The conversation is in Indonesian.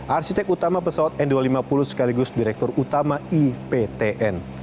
arsitek utama pesawat n dua ratus lima puluh sekaligus direktur utama iptn